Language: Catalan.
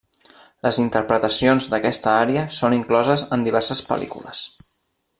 Les interpretacions d'aquesta ària són incloses en diverses pel·lícules.